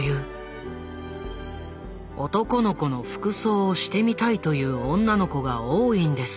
「男の子の服装をしてみたいという女の子が多いんです。